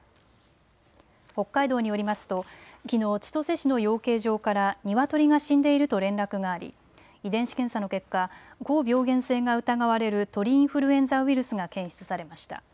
北海道によりますときのう千歳市の養鶏場からニワトリが死んでいると連絡があり遺伝子検査の結果、高病原性が疑われる鳥インフルエンザウイルスが検出されました。